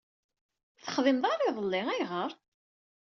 Ur texdimeḍ ara iḍelli. Ayɣer?